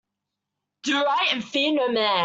Do right and fear no man.